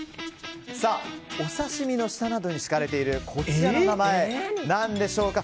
お刺し身の下などに敷かれているこちらの名前何でしょうか。